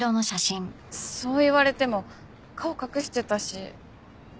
そう言われても顔隠してたし。